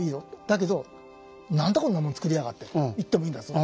だけど「何だこんなもんつくりやがって」と言ってもいいんだぞと。